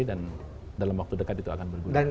dan dalam waktu dekat itu akan berguna